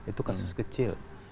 itu kasus kecil